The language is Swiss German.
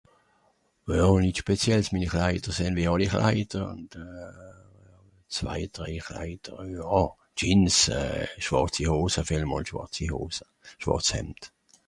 Rien de spécial, mes vêtements sont comme tous les vêtements Jeans , pantalon noir chemise noire